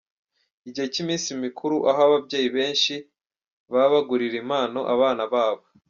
Igihe cy’iminsi mikuru, aho ababyeyi benshi baba bagurira impano abana babo.